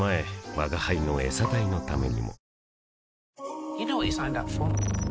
吾輩のエサ代のためにも